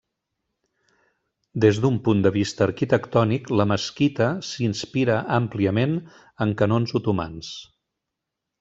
D'un punt de vista arquitectònic, la mesquita s'inspira àmpliament en canons otomans.